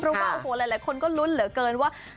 เพราะว่าโอ้โหหลายคนก็ลุ้นเหลือเกินว่า